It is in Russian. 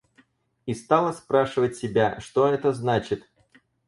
И стала спрашивать себя, что это значит.